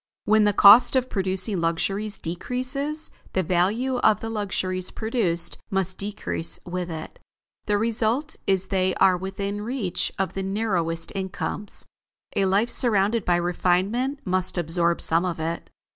When the cost of producing luxuries decreases, the value of the luxuries produced must decrease with it. The result is they are within reach of the narrowest incomes. A life surrounded by refinement must absorb some of it.